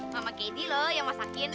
mama kedy le yang masakin